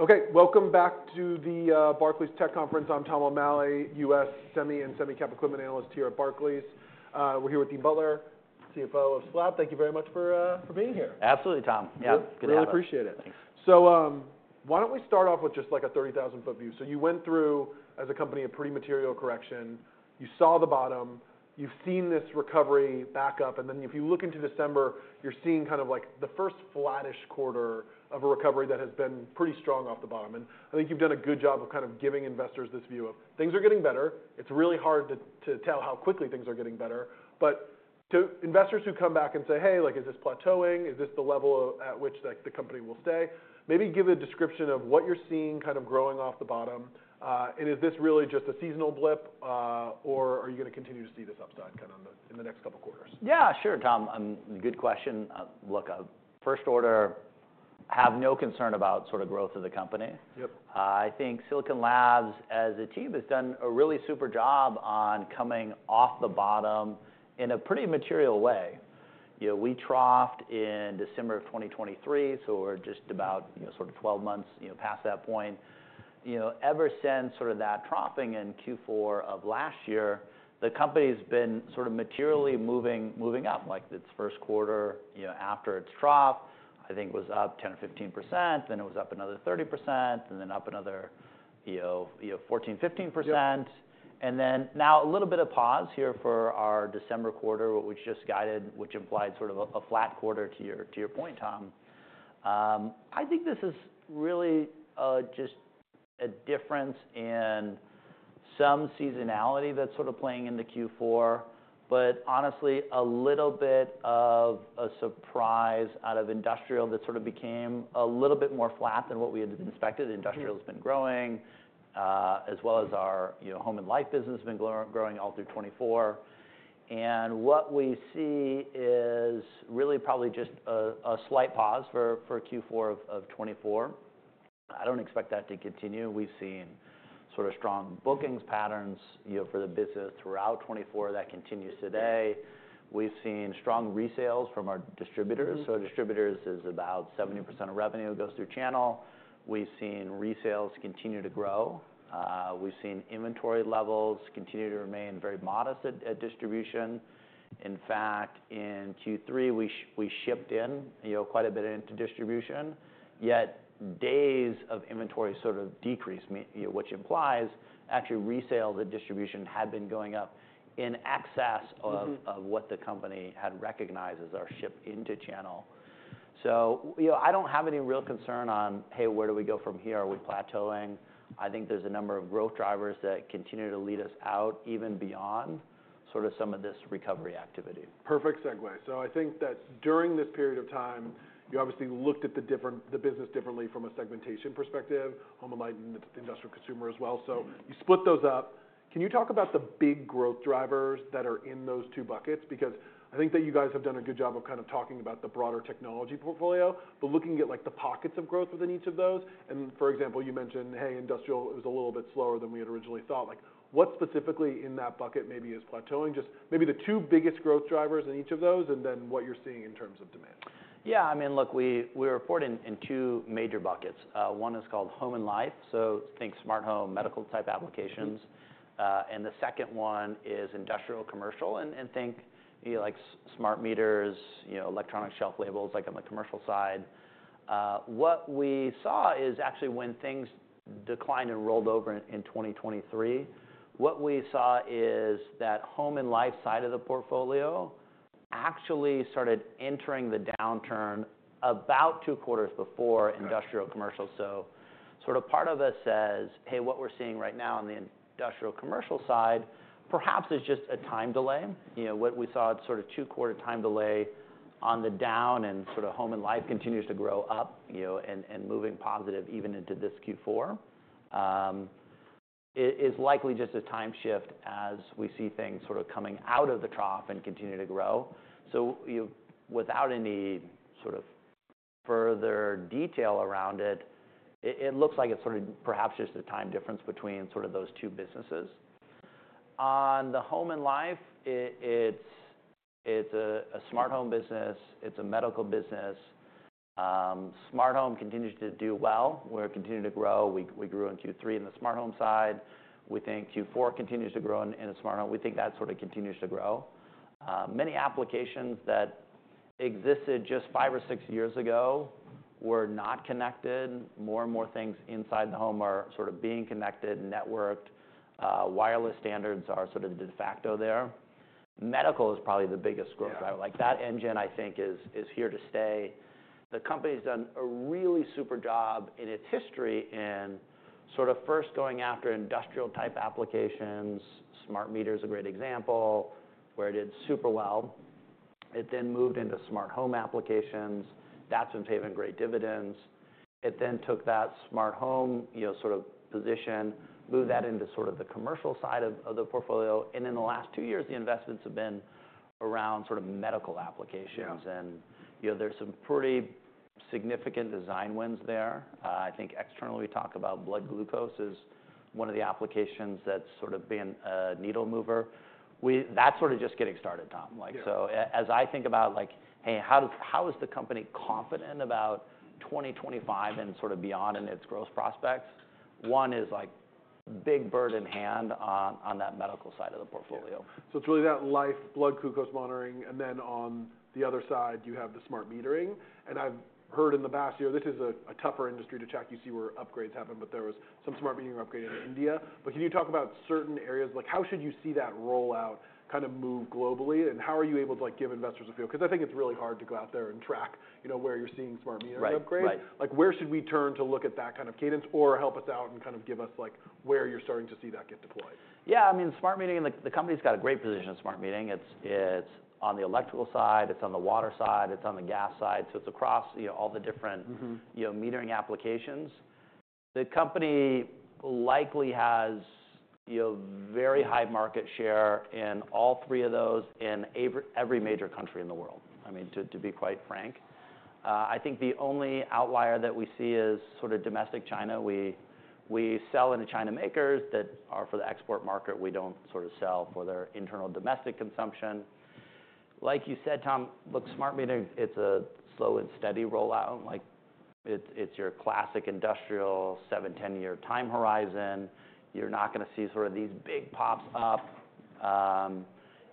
All right. Okay, welcome back to the Barclays Tech Conference. I'm Tom O'Malley, U.S. semi and semi-cap equipment analyst here at Barclays. We're here with Dean Butler, CFO of SLAB. Thank you very much for being here. Absolutely, Tom. Yeah, good to have you. Really appreciate it. Thanks. So, why don't we start off with just like a 30,000-foot view? So you went through, as a company, a pretty material correction. You saw the bottom. You've seen this recovery back up. And then if you look into December, you're seeing kind of like the first flattish quarter of a recovery that has been pretty strong off the bottom. And I think you've done a good job of kind of giving investors this view of things are getting better. It's really hard to tell how quickly things are getting better. But to investors who come back and say, "Hey, like, is this plateauing? Is this the level at which, like, the company will stay?" Maybe give a description of what you're seeing kind of growing off the bottom. And is this really just a seasonal blip, or are you gonna continue to see this upside kind of in the next couple quarters? Yeah, sure, Tom. Good question. Look, first order, have no concern about sort of growth of the company. Yep. I think Silicon Labs as a team has done a really super job on coming off the bottom in a pretty material way. You know, we troughed in December of 2023, so we're just about, you know, sort of 12 months, you know, past that point. You know, ever since sort of that troughing in Q4 of last year, the company's been sort of materially moving up. Like its first quarter, you know, after its trough, I think was up 10% or 15%, then it was up another 30%, and then up another, you know, you know, 14%, 15%. Yes. And then now a little bit of pause here for our December quarter, which just guided, which implied sort of a flat quarter to your point, Tom. I think this is really just a difference in some seasonality that's sort of playing in the Q4, but honestly, a little bit of a surprise out of Industrial that sort of became a little bit more flat than what we had expected. Industrial's been growing, as well as our, you know, Home & Life business has been growing all through 2024. And what we see is really probably just a slight pause for Q4 of 2024. I don't expect that to continue. We've seen sort of strong bookings patterns, you know, for the business throughout 2024 that continues today. We've seen strong resales from our distributors. Mm-hmm. So, distributors is about 70% of revenue goes through channel. We've seen resales continue to grow. We've seen inventory levels continue to remain very modest at distribution. In fact, in Q3, we shipped, you know, quite a bit into distribution, yet days of inventory sort of decreased. I mean, you know, which implies actually resales at distribution had been going up in excess of. Mm-hmm. Of what the company had recognized as our ship into channel. So, you know, I don't have any real concern on, "Hey, where do we go from here? Are we plateauing?" I think there's a number of growth drivers that continue to lead us out even beyond sort of some of this recovery activity. Perfect segue, so I think that during this period of time, you obviously looked at the different, the business differently from a segmentation perspective, Home & Life, Industrial consumer as well. Mm-hmm. So you split those up. Can you talk about the big growth drivers that are in those two buckets? Because I think that you guys have done a good job of kind of talking about the broader technology portfolio, but looking at like the pockets of growth within each of those. And for example, you mentioned, "Hey, Industrial is a little bit slower than we had originally thought." Like what specifically in that bucket maybe is plateauing? Just maybe the two biggest growth drivers in each of those and then what you're seeing in terms of demand? Yeah. I mean, look, we report in two major buckets. One is called Home & Life. So think smart home, medical type applications. And the second one is Industrial & Commercial, and think, you know, like smart meters, you know, electronic shelf labels, like on the commercial side. What we saw is actually when things declined and rolled over in 2023, what we saw is that Home & Life side of the portfolio actually started entering the downturn about two quarters before Industrial & Commercial. Mm-hmm. So, sort of part of us says, "Hey, what we're seeing right now on the industrial commercial side perhaps is just a time delay." You know, what we saw sort of two-quarter time delay on the down and sort of Home & Life continues to grow up, you know, and moving positive even into this Q4. It is likely just a time shift as we see things sort of coming out of the trough and continue to grow. So, you know, without any sort of further detail around it, it looks like it's sort of perhaps just a time difference between sort of those two businesses. On the Home & Life, it's a smart home business. It's a medical business. Smart home continues to do well. We're continuing to grow. We grew in Q3 in the smart home side. We think Q4 continues to grow in a smart home. We think that sort of continues to grow. Many applications that existed just five or six years ago were not connected. More and more things inside the home are sort of being connected, networked. Wireless standards are sort of de facto there. Medical is probably the biggest growth driver. Yep. Like that engine I think is here to stay. The company's done a really super job in its history in sort of first going after industrial type applications. Smart meter’s a great example where it did super well. It then moved into smart home applications. That's been paying great dividends. It then took that smart home, you know, sort of position, moved that into sort of the commercial side of the portfolio, and in the last two years, the investments have been around sort of medical applications. Yep. You know, there's some pretty significant design wins there. I think externally we talk about blood glucose is one of the applications that's sort of been a needle mover. We that's sort of just getting started, Tom. Yep. Like, so as I think about like, "Hey, how does, how is the company confident about 2025 and sort of beyond in its growth prospects?" One is like a bird in the hand on that medical side of the portfolio. It's really continuous glucose monitoring. Then on the other side, you have the smart metering. I've heard in the past, you know, this is a tougher industry to track. You see where upgrades happen, but there was some smart metering upgrade in India. Can you talk about certain areas? Like, how should you see that rollout kind of move globally? How are you able to like give investors a feel? 'Cause I think it's really hard to go out there and track, you know, where you're seeing smart metering upgrades. Right. Right. Like where should we turn to look at that kind of cadence or help us out and kind of give us like where you're starting to see that get deployed? Yeah. I mean, smart metering, like, the company's got a great position in smart metering. It's on the electrical side, it's on the water side, it's on the gas side. So it's across, you know, all the different. Mm-hmm. You know, metering applications. The company likely has, you know, very high market share in all three of those in every major country in the world. I mean, to be quite frank. I think the only outlier that we see is sort of domestic China. We sell into China makers that are for the export market. We don't sort of sell for their internal domestic consumption. Like you said, Tom, look, smart metering, it's a slow and steady rollout. Like it's your classic industrial seven, 10-year time horizon. You're not gonna see sort of these big pops up.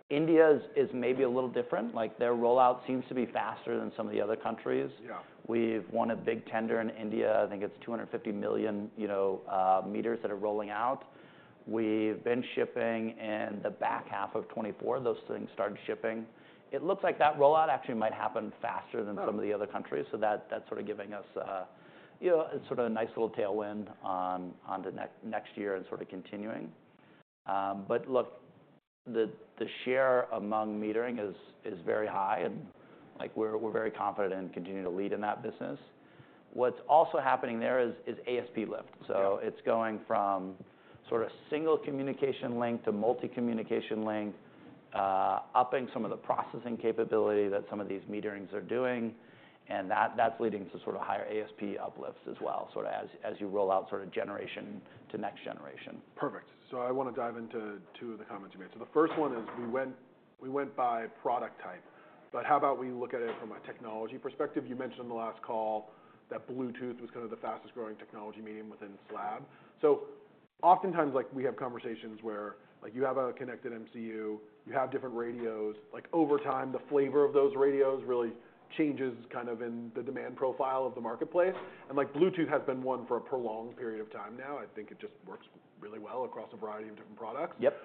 India's is maybe a little different. Like their rollout seems to be faster than some of the other countries. Yeah. We've won a big tender in India. I think it's 250 million, you know, meters that are rolling out. We've been shipping in the back half of 2024. Those things started shipping. It looks like that rollout actually might happen faster than some of the other countries. Mm-hmm. So that, that's sort of giving us, you know, sort of a nice little tailwind on, on to next year and sort of continuing. But look, the share among metering is very high. And like we're very confident in continuing to lead in that business. What's also happening there is ASP lift. Yep. So it's going from sort of single communication link to multi-communication link, upping some of the processing capability that some of these meterings are doing. And that, that's leading to sort of higher ASP uplifts as well, sort of as, as you roll out sort of generation to next generation. Perfect. So I wanna dive into two of the comments you made. So the first one is we went by product type, but how about we look at it from a technology perspective? You mentioned in the last call that Bluetooth was kind of the fastest growing technology medium within SLAB. So oftentimes, like we have conversations where like you have a connected MCU, you have different radios. Like over time, the flavor of those radios really changes kind of in the demand profile of the marketplace. And like Bluetooth has been one for a prolonged period of time now. I think it just works really well across a variety of different products. Yep.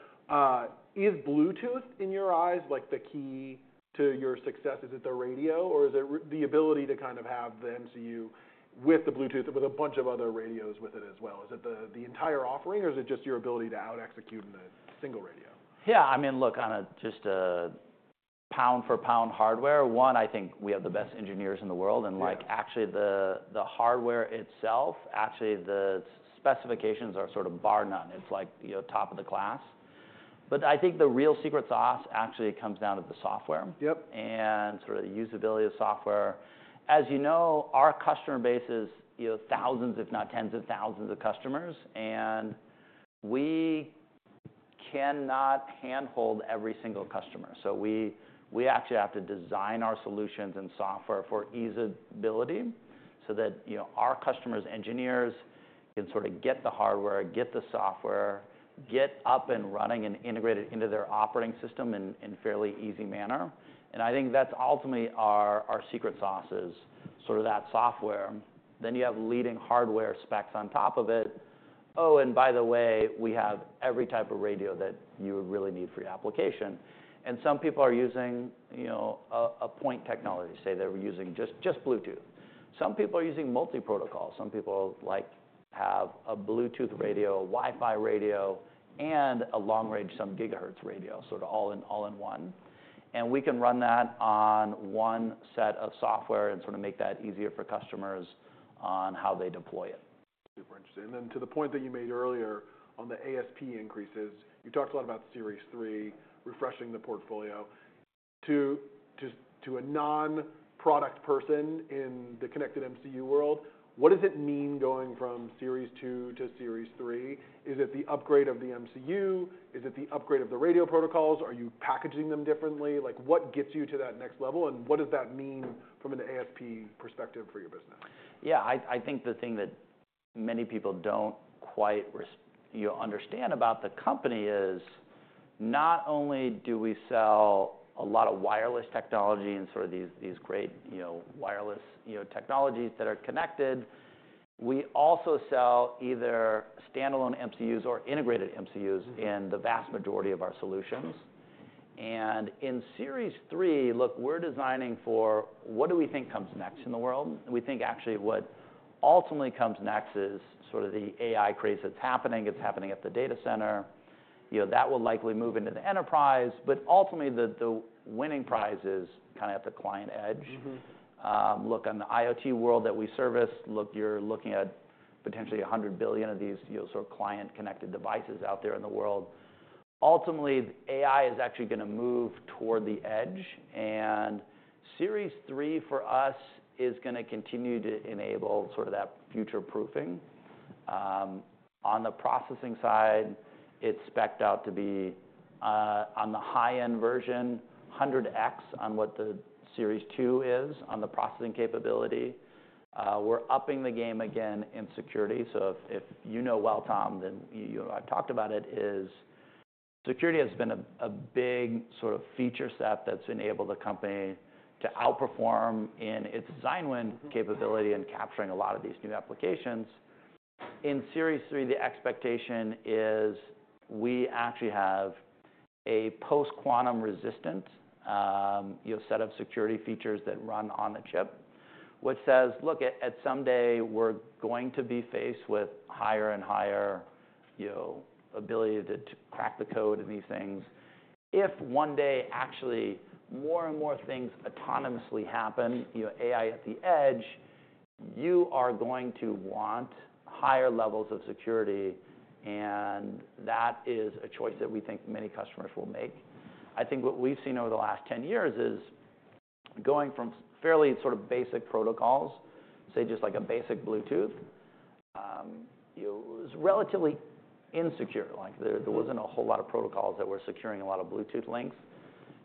Is Bluetooth in your eyes like the key to your success? Is it the radio or is it the ability to kind of have the MCU with the Bluetooth with a bunch of other radios with it as well? Is it the entire offering or is it just your ability to out-execute in a single radio? Yeah. I mean, look, on just a pound-for-pound hardware, one, I think we have the best engineers in the world. Yep. Like actually the hardware itself, actually the specifications are sort of bar none. It's like, you know, top of the class. But I think the real secret sauce actually comes down to the software. Yep. Sort of the usability of software. As you know, our customer base is, you know, thousands, if not tens of thousands of customers. We cannot handhold every single customer. So we actually have to design our solutions and software for ease of ability so that, you know, our customers, engineers can sort of get the hardware, get the software, get up and running and integrated into their operating system in fairly easy manner. And I think that's ultimately our secret sauce is sort of that software. Then you have leading hardware specs on top of it. Oh, and by the way, we have every type of radio that you would really need for your application. And some people are using, you know, a point technology. Say they were using just Bluetooth. Some people are using multi-protocol. Some people like have a Bluetooth radio, a Wi-Fi radio, and a long range, sub-gigahertz radio, sort of all in, all in one, and we can run that on one set of software and sort of make that easier for customers on how they deploy it. Super interesting. And then to the point that you made earlier on the ASP increases, you talked a lot about Series 3, refreshing the portfolio. To a non-product person in the connected MCU world, what does it mean going from Series 2 to Series 3? Is it the upgrade of the MCU? Is it the upgrade of the radio protocols? Are you packaging them differently? Like what gets you to that next level and what does that mean from an ASP perspective for your business? Yeah. I think the thing that many people don't quite grasp, you know, understand about the company is not only do we sell a lot of wireless technology and sort of these great, you know, wireless, you know, technologies that are connected, we also sell either standalone MCUs or integrated MCUs. Mm-hmm. In the vast majority of our solutions and in Series 3, look, we're designing for what do we think comes next in the world? We think actually what ultimately comes next is sort of the AI craze that's happening. It's happening at the data center. You know, that will likely move into the enterprise. But ultimately the winning prize is kind of at the client edge. Mm-hmm. Look, on the IoT world that we service, look, you're looking at potentially a hundred billion of these, you know, sort of client connected devices out there in the world. Ultimately, the AI is actually gonna move toward the edge, and Series 3 for us is gonna continue to enable sort of that future proofing. On the processing side, it's spec'd out to be, on the high-end version, 100x on what the Series 2 is on the processing capability. We're upping the game again in security. So if you know, well, Tom, then you know, I've talked about it. Security has been a big sort of feature set that's enabled the company to outperform in its design win capability and capturing a lot of these new applications. In Series 3, the expectation is we actually have a post-quantum resistant, you know, set of security features that run on the chip, which says, look, at someday we're going to be faced with higher and higher, you know, ability to crack the code and these things. If one day actually more and more things autonomously happen, you know, AI at the edge, you are going to want higher levels of security. And that is a choice that we think many customers will make. I think what we've seen over the last 10 years is going from fairly sort of basic protocols, say just like a basic Bluetooth, you know, it was relatively insecure. Like there wasn't a whole lot of protocols that were securing a lot of Bluetooth links.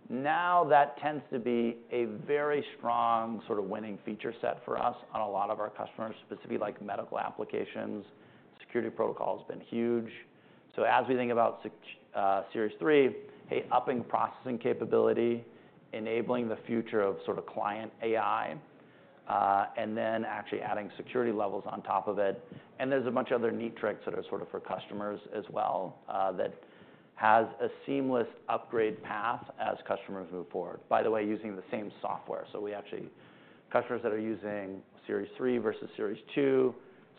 Now that tends to be a very strong sort of winning feature set for us on a lot of our customers, specifically like medical applications. Security protocol has been huge. So as we think about security Series 3, hey, upping processing capability, enabling the future of sort of client AI, and then actually adding security levels on top of it, and there's a bunch of other neat tricks that are sort of for customers as well, that has a seamless upgrade path as customers move forward, by the way, using the same software. So we actually have customers that are using Series 3 versus Series 2,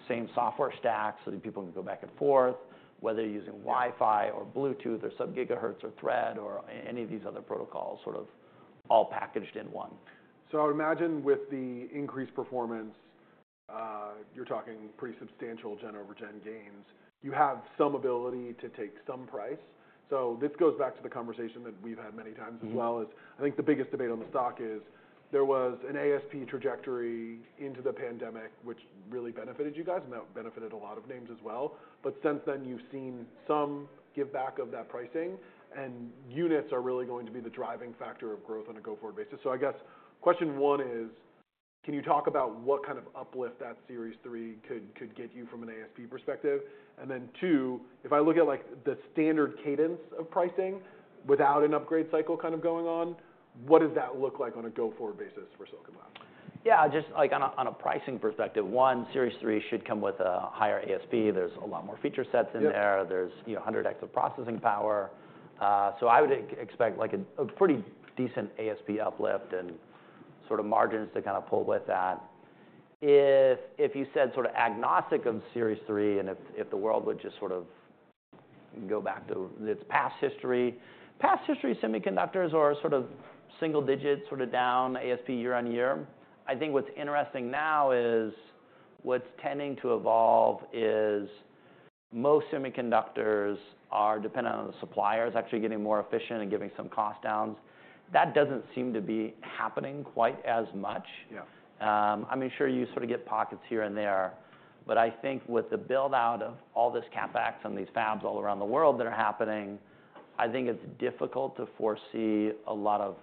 same software stack so that people can go back and forth, whether using Wi-Fi or Bluetooth or sub-gigahertz or Thread or any of these other protocols sort of all packaged in one. I would imagine with the increased performance, you're talking pretty substantial gen over gen gains. You have some ability to take some price. This goes back to the conversation that we've had many times as well. Mm-hmm. I think the biggest debate on the stock is there was an ASP trajectory into the pandemic, which really benefited you guys and that benefited a lot of names as well. But since then, you've seen some give back of that pricing and units are really going to be the driving factor of growth on a go-forward basis. So I guess question one is, can you talk about what kind of uplift that Series 3 could get you from an ASP perspective? And then two, if I look at like the standard cadence of pricing without an upgrade cycle kind of going on, what does that look like on a go-forward basis for Silicon Laboratories? Yeah. Just like on a pricing perspective, Series 3 should come with a higher ASP. There's a lot more feature sets in there. Yeah. There's, you know, 100x of processing power, so I would expect like a pretty decent ASP uplift and sort of margins to kind of pull with that. If you said sort of agnostic of Series 3 and if the world would just sort of go back to its past history, semiconductors are sort of single-digit down ASP year on year. I think what's interesting now is what's tending to evolve is most semiconductors are dependent on the suppliers actually getting more efficient and giving some cost downs. That doesn't seem to be happening quite as much. Yeah. I'm sure you sort of get pockets here and there. But I think with the buildout of all this CapEx and these fabs all around the world that are happening, I think it's difficult to foresee a lot of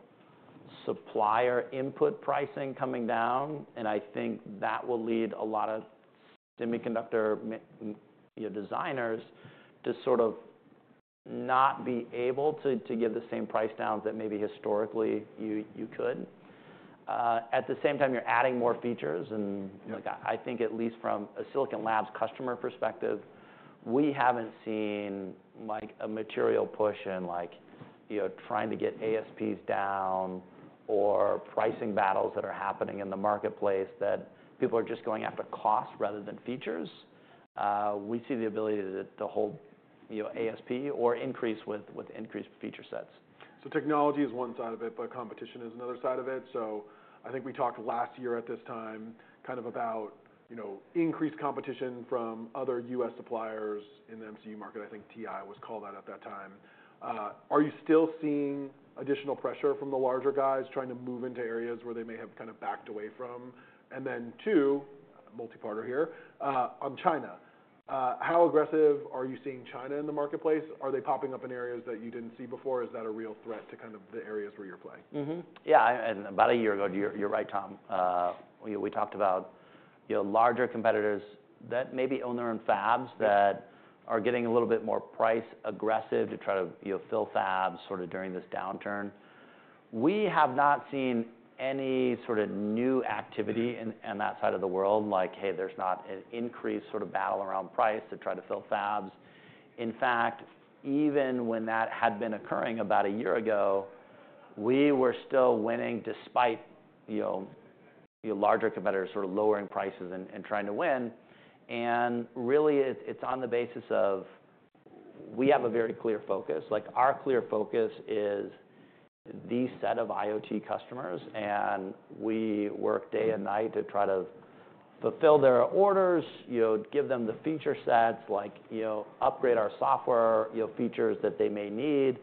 supplier input pricing coming down. And I think that will lead a lot of semiconductor, you know, designers to sort of not be able to give the same price downs that maybe historically you could. At the same time, you're adding more features. And like. Yeah. I think at least from a Silicon Labs customer perspective, we haven't seen like a material push in like, you know, trying to get ASPs down or pricing battles that are happening in the marketplace that people are just going after cost rather than features. We see the ability to hold, you know, ASP or increase with increased feature sets. So technology is one side of it, but competition is another side of it. So I think we talked last year at this time kind of about, you know, increased competition from other U.S. suppliers in the MCU market. I think TI was called out at that time. Are you still seeing additional pressure from the larger guys trying to move into areas where they may have kind of backed away from? And then, too, multi-part question here, on China. How aggressive are you seeing China in the marketplace? Are they popping up in areas that you didn't see before? Is that a real threat to kind of the areas where you're playing? Mm-hmm. Yeah. And about a year ago, you're right, Tom. You know, we talked about, you know, larger competitors that maybe own their own fabs that are getting a little bit more price aggressive to try to, you know, fill fabs sort of during this downturn. We have not seen any sort of new activity in that side of the world. Like, hey, there's not an increased sort of battle around price to try to fill fabs. In fact, even when that had been occurring about a year ago, we were still winning despite, you know, you know, larger competitors sort of lowering prices and trying to win. And really it's on the basis of we have a very clear focus. Like, our clear focus is these set of IoT customers. And we work day and night to try to fulfill their orders, you know, give them the feature sets, like, you know, upgrade our software, you know, features that they may need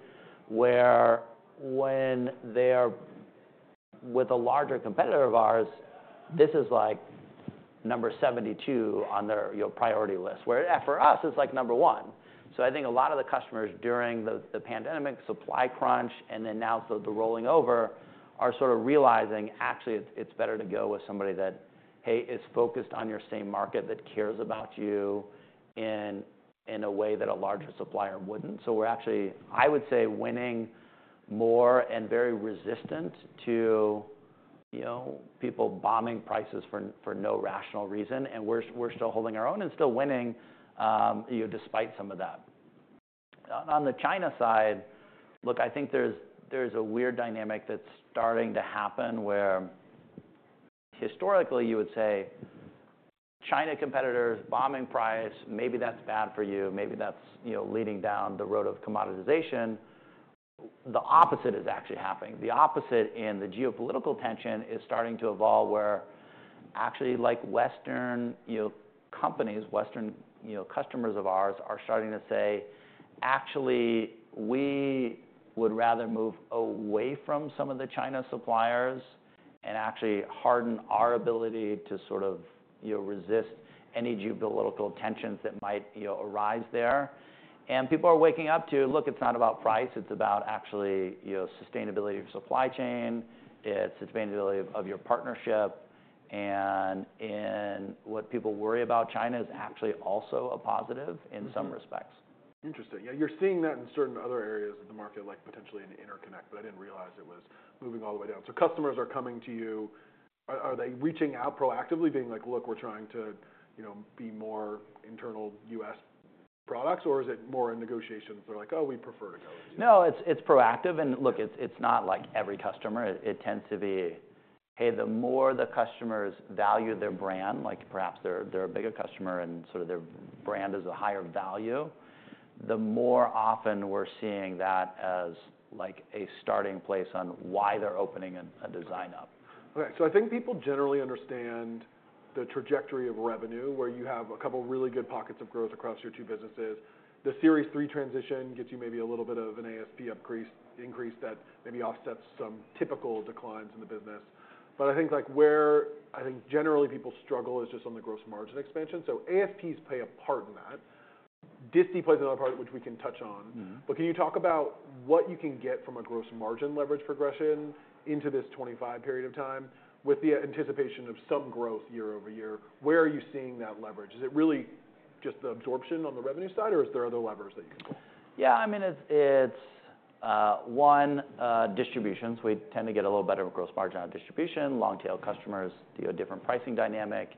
where when they're with a larger competitor of ours, this is like number 72 on their, you know, priority list, where for us it's like number one. So I think a lot of the customers during the pandemic supply crunch and then now sort of the rolling over are sort of realizing actually it's better to go with somebody that, hey, is focused on your same market that cares about you in a way that a larger supplier wouldn't. So we're actually, I would say, winning more and very resistant to, you know, people bombing prices for no rational reason. And we're still holding our own and still winning, you know, despite some of that. On the China side, look, I think there's a weird dynamic that's starting to happen where historically you would say China competitors bombing price, maybe that's bad for you, maybe that's, you know, leading down the road of commoditization. The opposite is actually happening. The opposite in the geopolitical tension is starting to evolve where actually like Western, you know, companies, Western, you know, customers of ours are starting to say, actually we would rather move away from some of the China suppliers and actually harden our ability to sort of, you know, resist any geopolitical tensions that might, you know, arise there. And people are waking up to, look, it's not about price, it's about actually, you know, sustainability of supply chain, it's sustainability of your partnership. In what people worry about, China is actually also a positive in some respects. Interesting. Yeah. You're seeing that in certain other areas of the market, like potentially in interconnect, but I didn't realize it was moving all the way down. So customers are coming to you. Are, are they reaching out proactively being like, look, we're trying to, you know, be more internal U.S. products or is it more in negotiations? They're like, oh, we prefer to go into. No, it's proactive. Look, it's not like every customer. It tends to be, hey, the more the customers value their brand, like perhaps they're a bigger customer and sort of their brand is a higher value, the more often we're seeing that as like a starting place on why they're opening a design up. Okay, so I think people generally understand the trajectory of revenue where you have a couple really good pockets of growth across your two businesses. The Series 3 transition gets you maybe a little bit of an ASP upgrade increase that maybe offsets some typical declines in the business, but I think like where I think generally people struggle is just on the gross margin expansion, so ASPs play a part in that. Disti plays another part, which we can touch on. Mm-hmm. But can you talk about what you can get from a gross margin leverage progression into this 25 period of time with the anticipation of some growth year-over-year? Where are you seeing that leverage? Is it really just the absorption on the revenue side or is there other levers that you can pull? Yeah. I mean, it's one, distributions. We tend to get a little better gross margin on distribution. Long-tail customers deal with different pricing dynamic.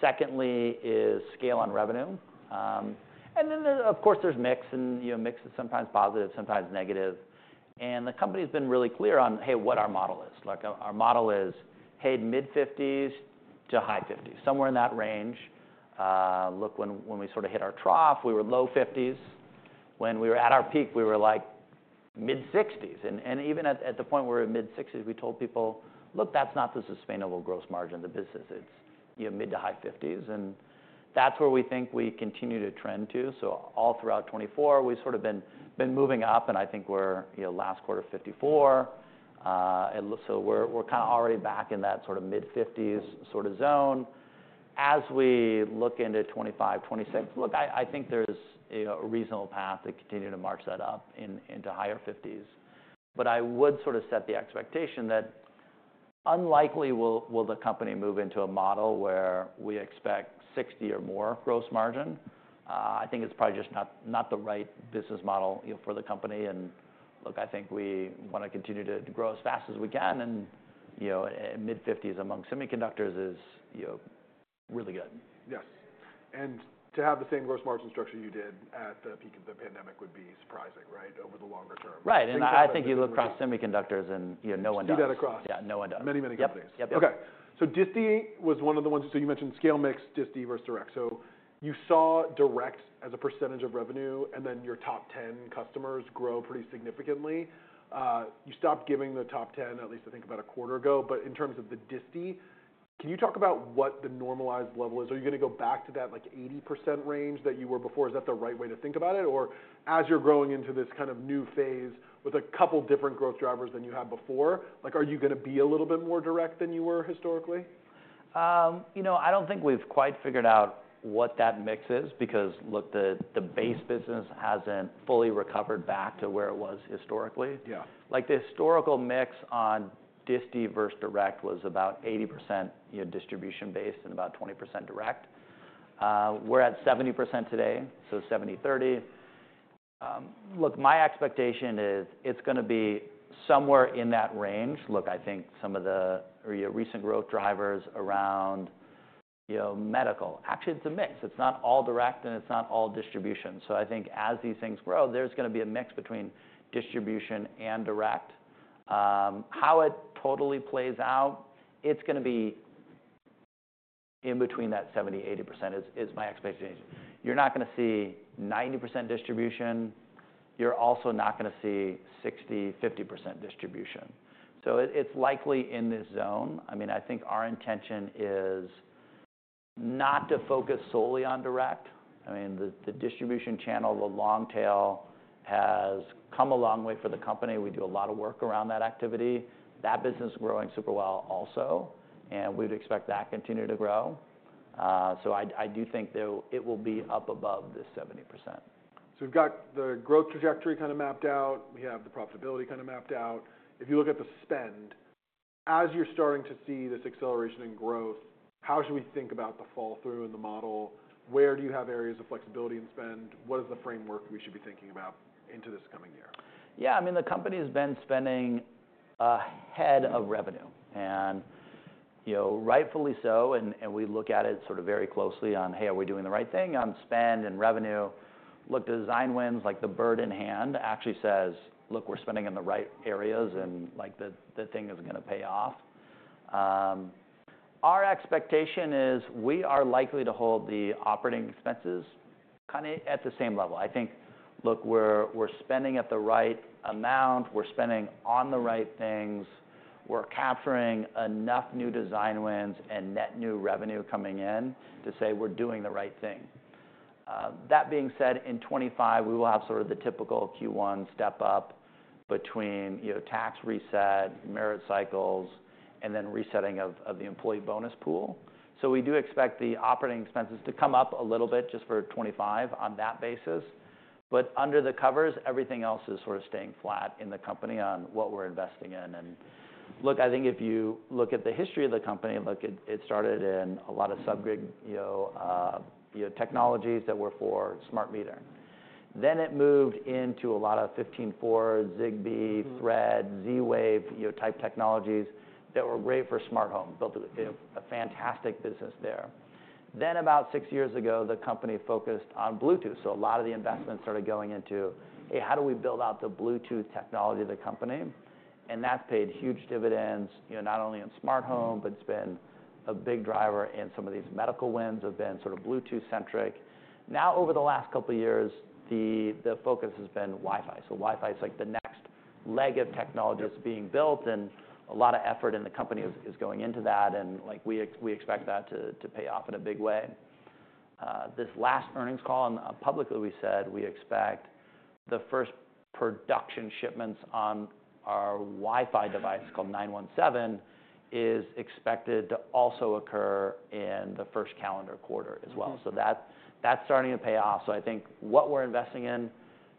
Secondly is scale on revenue. And then there's, of course, mix and, you know, mix is sometimes positive, sometimes negative. And the company's been really clear on, hey, what our model is. Like our model is, hey, mid-50s to high-50s, somewhere in that range. Look, when we sort of hit our trough, we were low-50s. When we were at our peak, we were like mid-60s. And even at the point where we were mid-60s, we told people, look, that's not the sustainable gross margin of the business. It's, you know, mid to high-50s. And that's where we think we continue to trend to. So all throughout 2024, we've sort of been moving up. And I think we're, you know, last quarter 54%, and so we're kind of already back in that sort of mid-50s% sort of zone. As we look into 2025, 2026, look, I think there's, you know, a reasonable path to continue to march that up into higher 50s%. But I would sort of set the expectation that unlikely will the company move into a model where we expect 60% or more gross margin. I think it's probably just not the right business model, you know, for the company. And look, I think we want to continue to grow as fast as we can. And, you know, mid-50s% among semiconductors is, you know, really good. Yes. And to have the same gross margin structure you did at the peak of the pandemic would be surprising, right? Over the longer term. Right. And I think you look across semiconductors and, you know, no one does. See that across. Yeah. No one does. Many, many companies. Yep. Yep. Okay. So disti was one of the ones. So you mentioned sales mix, disti versus direct. So you saw direct as a percentage of revenue and then your top 10 customers grow pretty significantly. You stopped giving the top 10 at least, I think, about a quarter ago. But in terms of the disti, can you talk about what the normalized level is? Are you going to go back to that like 80% range that you were before? Is that the right way to think about it? Or as you're growing into this kind of new phase with a couple different growth drivers than you had before, like are you going to be a little bit more direct than you were historically? You know, I don't think we've quite figured out what that mix is because look, the base business hasn't fully recovered back to where it was historically. Yeah. Like the historical mix on disti versus direct was about 80%, you know, distribution-based and about 20% direct. We're at 70% today. So 70/30. Look, my expectation is it's going to be somewhere in that range. Look, I think some of the, you know, recent growth drivers around, you know, medical, actually it's a mix. It's not all direct and it's not all distribution. So I think as these things grow, there's going to be a mix between distribution and direct. How it totally plays out, it's going to be in between that 70%-80% is my expectation. You're not going to see 90% distribution. You're also not going to see 60%, 50% distribution. So it's likely in this zone. I mean, I think our intention is not to focus solely on direct. I mean, the distribution channel, the long-tail has come a long way for the company. We do a lot of work around that activity. That business is growing super well also. And we'd expect that to continue to grow. So I do think that it will be up above this 70%. So we've got the growth trajectory kind of mapped out. We have the profitability kind of mapped out. If you look at the spend, as you're starting to see this acceleration in growth, how should we think about the fall through in the model? Where do you have areas of flexibility in spend? What is the framework we should be thinking about into this coming year? Yeah. I mean, the company's been spending ahead of revenue. And, you know, rightfully so. And we look at it sort of very closely on, hey, are we doing the right thing on spend and revenue? Look, design wins, like the bird in hand actually says, look, we're spending in the right areas and like the thing is going to pay off. Our expectation is we are likely to hold the operating expenses kind of at the same level. I think, look, we're spending at the right amount. We're spending on the right things. We're capturing enough new design wins and net new revenue coming in to say we're doing the right thing. That being said, in 2025, we will have sort of the typical Q1 step up between, you know, tax reset, merit cycles, and then resetting of the employee bonus pool. So we do expect the operating expenses to come up a little bit just for 2025 on that basis. But under the covers, everything else is sort of staying flat in the company on what we're investing in. And look, I think if you look at the history of the company, look, it started in a lot of sub-gig, you know, technologies that were for smart meter. Then it moved into a lot of 15.4, Zigbee, Thread, Z-Wave, you know, type technologies that were great for smart homes. Built a, you know, a fantastic business there. Then about six years ago, the company focused on Bluetooth. So a lot of the investments started going into, hey, how do we build out the Bluetooth technology of the company? And that's paid huge dividends, you know, not only in smart home, but it's been a big driver in some of these medical wins have been sort of Bluetooth-centric. Now, over the last couple of years, the focus has been Wi-Fi. So Wi-Fi is like the next leg of technology that's being built. And a lot of effort in the company is going into that. And like we expect that to pay off in a big way. This last earnings call, publicly we said we expect the first production shipments on our Wi-Fi device called SiWx917 is expected to also occur in the first calendar quarter as well. So that, that's starting to pay off. So I think what we're investing in,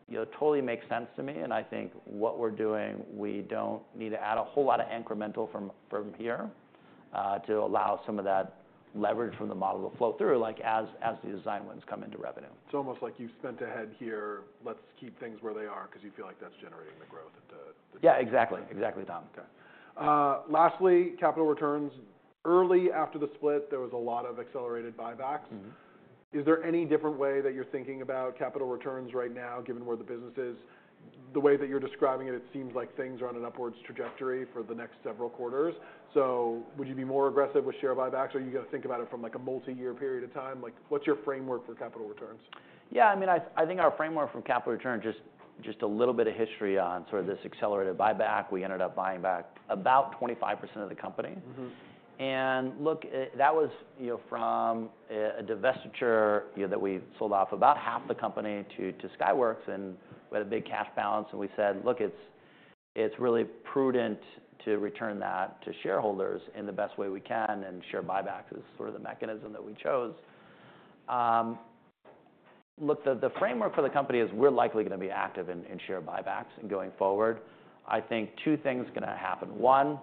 you know, totally makes sense to me. I think what we're doing, we don't need to add a whole lot of incremental from here, to allow some of that leverage from the model to flow through like as the design wins come into revenue. It's almost like you've spent ahead here. Let's keep things where they are because you feel like that's generating the growth at the. Yeah. Exactly. Exactly done. Okay. Lastly, capital returns. Early after the split, there was a lot of accelerated buybacks. Is there any different way that you're thinking about capital returns right now, given where the business is? The way that you're describing it, it seems like things are on an upwards trajectory for the next several quarters. So would you be more aggressive with share buybacks or are you going to think about it from like a multi-year period of time? Like what's your framework for capital returns? Yeah. I mean, I think our framework for capital return just a little bit of history on sort of this accelerated buyback. We ended up buying back about 25% of the company, and look, that was, you know, from a divestiture, you know, that we sold off about half the company to Skyworks. And we had a big cash balance, and we said, look, it's really prudent to return that to shareholders in the best way we can, and share buybacks is sort of the mechanism that we chose. Look, the framework for the company is we're likely going to be active in share buybacks and going forward. I think two things are going to happen. One,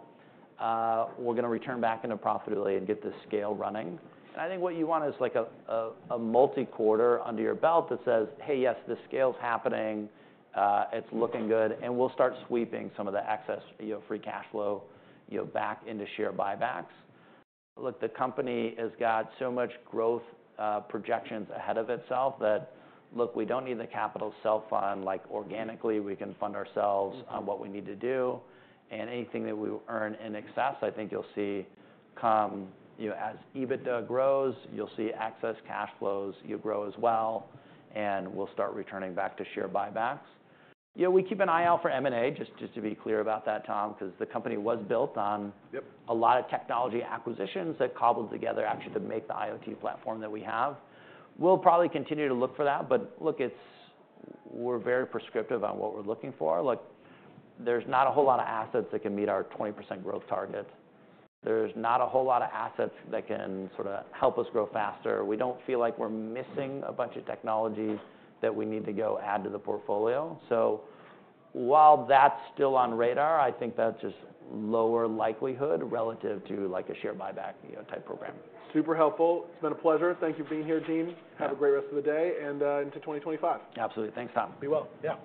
we're going to return back into profitability and get the scale running. I think what you want is like a multi-quarter under your belt that says, hey, yes, the scale's happening. It's looking good. We'll start sweeping some of the excess, you know, free cash flow, you know, back into share buybacks. Look, the company has got so much growth, projections ahead of itself that look, we don't need the capital self-fund. Like organically we can fund ourselves on what we need to do. Anything that we earn in excess, I think you'll see come, you know, as EBITDA grows, you'll see excess cash flows, you'll grow as well. We'll start returning back to share buybacks. You know, we keep an eye out for M&A, just to be clear about that, Tom, because the company was built on a lot of technology acquisitions that cobbled together actually to make the IoT platform that we have. We'll probably continue to look for that. But look, we're very prescriptive on what we're looking for. Look, there's not a whole lot of assets that can meet our 20% growth target. There's not a whole lot of assets that can sort of help us grow faster. We don't feel like we're missing a bunch of technologies that we need to go add to the portfolio. So while that's still on radar, I think that's just lower likelihood relative to like a share buyback, you know, type program. Super helpful. It's been a pleasure. Thank you for being here, Dean. Have a great rest of the day and into 2025. Absolutely. Thanks, Tom. Be well. Yeah.